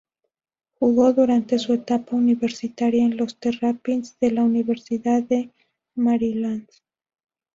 Jugó durante su etapa universitaria en los "Terrapins" de la Universidad de Maryland.